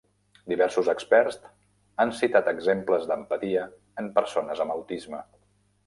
Diversos experts han citat exemples d'empatia en persones amb autisme.